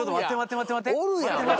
待って待って。